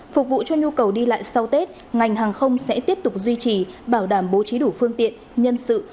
phục vụ cho nhu cầu đi lại sau tết ngành hàng không sẽ tiếp tục duy trì bảo đảm bố trí đủ phương tiện nhân sự